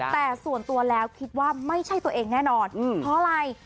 แต่ส่วนตัวแล้วคิดว่าไม่ใช่ตัวเองแน่นอนเพราะอะไร